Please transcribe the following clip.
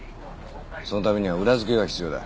そのためには裏づけが必要だ。